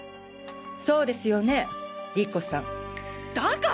そうですよね莉子さん？だから！